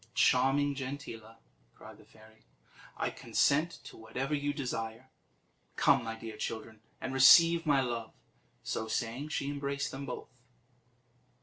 "Charming Gentilla," cried the fairy, "I consent to whatever you desire. Come, my dear children, and receive my love." So saying, she embraced them both.